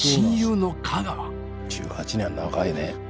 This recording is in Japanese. １８年は長いね。